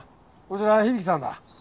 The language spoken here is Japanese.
こちらは響さんだ。